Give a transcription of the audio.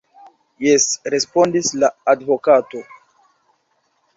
Jes, respondis la advokato.